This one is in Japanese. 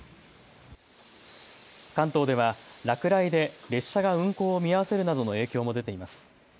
関東では落雷で列車が運行を見合わせるなどの影響も出ています。